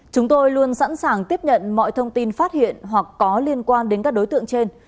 chúng tôi luôn sẵn sàng tiếp nhận mọi thông tin phát hiện hoặc có liên quan đến các đối tượng trên